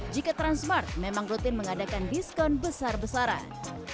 jika transmart memang rutin mengadakan diskon besar besaran